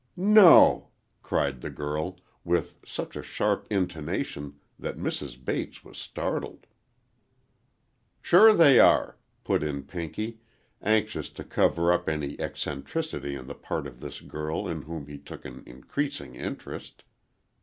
"No!" cried the girl, with such a sharp intonation that Mrs. Bates was startled. "Sure they are," put in Pinky, anxious to cover up any eccentricity on the part of this girl in whom he took an increasing interest.